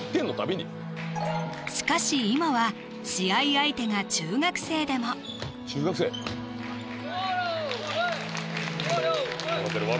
しかし今は試合相手が中学生でも笑てる笑